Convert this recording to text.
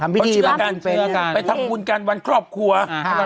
ทำวิทย์บางสกุลเป็นเชื่อกันไปทำบุญการวันครอบครัวอ่า